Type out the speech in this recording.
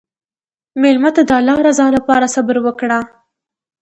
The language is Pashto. مېلمه ته د الله رضا لپاره صبر وکړه.